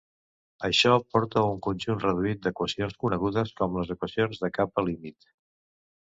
Això porta a un conjunt reduït d'equacions conegudes com les equacions de capa límit.